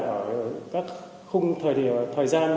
ở các khung thời gian